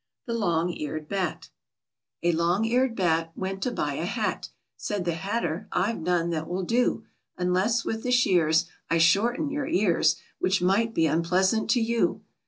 THE LONG EARED BAT. A long eared bat Went to buy a hat. Said the hatter, "I've none that will do, Unless with the shears I shorten your ears, Which might be unpleasant to you."